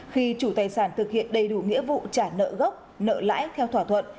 khi chủ tài sản thực hiện đầy đủ nghĩa vụ trả nợ gốc nợ lãi theo thỏa thuận